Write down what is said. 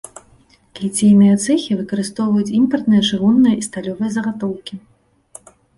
Ліцейныя цэхі выкарыстоўваюць імпартныя чыгунныя і сталёвыя загатоўкі.